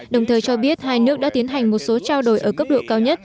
đồng thời cho biết hai nước đã tiến hành một số trao đổi ở cấp độ cao nhất